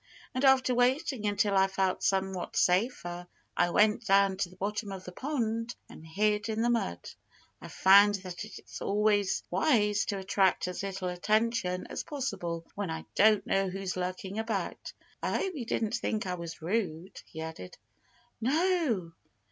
And after waiting until I felt somewhat safer, I went down to the bottom of the pond and hid in the mud. I've found that it's always wise to attract as little attention as possible when I don't know who's lurking about.... I hope you didn't think I was rude," he added. "No!"